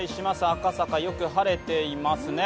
赤坂、よく晴れていますね。